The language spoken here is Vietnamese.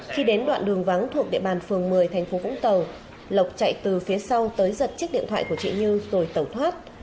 khi đến đoạn đường vắng thuộc địa bàn phường một mươi thành phố vũng tàu lộc chạy từ phía sau tới giật chiếc điện thoại của chị như rồi tẩu thoát